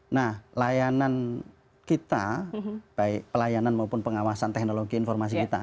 nah layanan kita baik pelayanan maupun pengawasan teknologi informasi kita